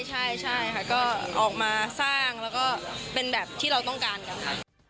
ใช่ค่ะก็ออกมาสร้างแล้วก็เป็นแบบที่เราต้องการกันค่ะ